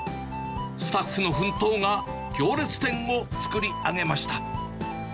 スタッフの奮闘が行列店を作り上げました。